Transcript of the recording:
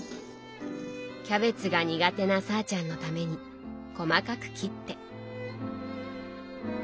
キャベツが苦手なさぁちゃんのために細かく切って。